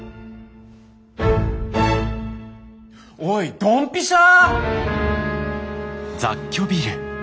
おいドンピシャ！